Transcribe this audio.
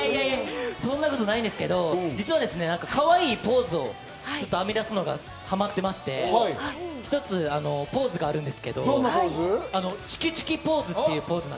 そんなことないんですけど、かわいいポーズを編み出すことにハマってまして、一つポーズがあるんですけど、ちゅきちゅきポーズ。